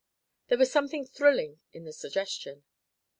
There was something thrilling in the suggestion.